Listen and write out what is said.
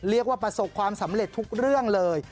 เรียกว่าประสงค์ความสำเร็จทุกเรื่องเลย